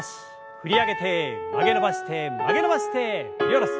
振り上げて曲げ伸ばして曲げ伸ばして振り下ろす。